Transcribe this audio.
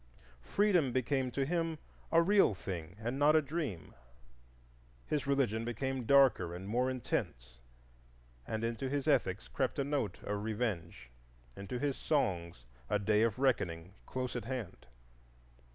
Freedom became to him a real thing and not a dream. His religion became darker and more intense, and into his ethics crept a note of revenge, into his songs a day of reckoning close at hand.